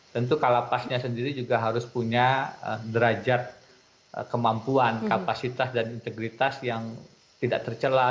tentu kalapasnya sendiri juga harus punya derajat kemampuan kapasitas dan integritas yang tidak tercelah